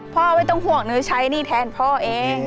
ไม่ต้องห่วงหนูใช้หนี้แทนพ่อเอง